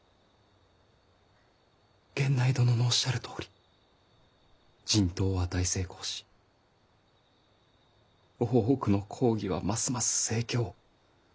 源内殿のおっしゃるとおり人痘は大成功し大奥の講義はますます盛況。